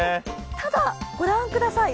ただ、ご覧ください。